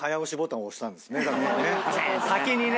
先にね。